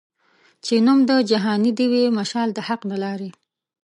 چي نوم د جهاني دي وي مشال د حق د لاري